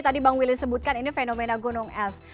tadi bang willy sebutkan ini fenomena gunung es